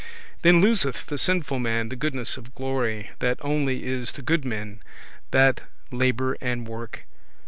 Then loseth the sinful man the goodness of glory, that only is to good men that labour and work.